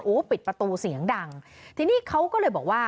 ปิดประตูเสียงดังทีนี้เขาก็เลยบอกว่า